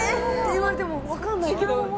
言われても分かんないけど。